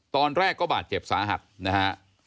ตอนแรกก็บาดเจ็บสาหัสนะฮะ